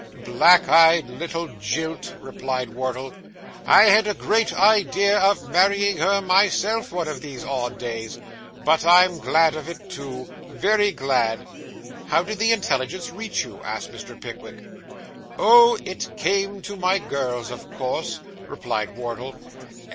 'Black eyed little jilt!' replied Wardle. 'I had a great idea of marrying her myself, one of these odd days. But I am glad of it too, very glad.' 'How did the intelligence reach you?' asked Mr. Pickwick. 'Oh, it came to my girls, of course,' replied Wardle.